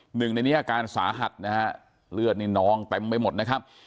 หนึ่งในนี้อาการสาหัสนะฮะเลือดนี่น้องเต็มไปหมดนะครับ